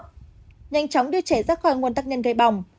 nhanh chóng đưa trẻ ra khỏi nguồn tắc nhân gây bỏng